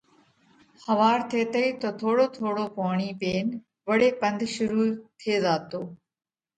ۿوَار ٿيتئِي تو ٿوڙو ٿوڙو پوڻِي پينَ وۯي پنڌ شرُوع ٿي زاتو۔